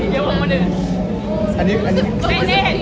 ยังมีคนอื่นอื่น